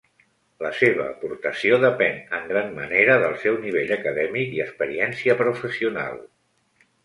La seva aportació depèn en gran manera del seu nivell acadèmic i experiència professional.